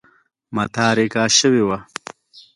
متارکه شوې وه.